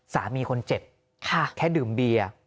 สามีคนเจ็บแค่ดื่มเบียร์